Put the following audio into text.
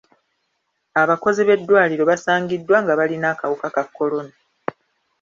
Abakozi b'eddwaliro basangiddwa nga balina akawuka ka kolona.